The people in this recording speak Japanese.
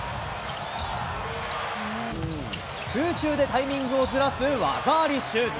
空中でタイミングをずらす技ありシュート。